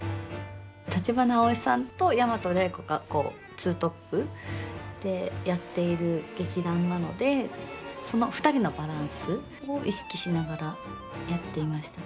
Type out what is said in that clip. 橘アオイさんと大和礼子がこうツートップでやっている劇団なのでその２人のバランスを意識しながらやっていました。